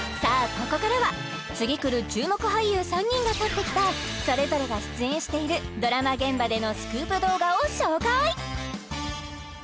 ここからは次くる注目俳優３人が撮ってきたそれぞれが出演しているドラマ現場でのスクープ動画を紹介！